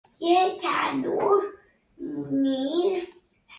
Wanjiru acted as "Anne" in the movie.